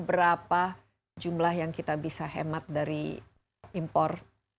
berapa jumlah yang kita bisa hemat dari impor